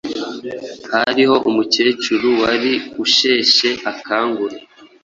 hariho umukecuru wari usheshe akanguhe